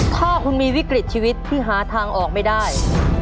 ถ้าคุณมีวิกฤตชีวิตที่หาทางออกไม่ได้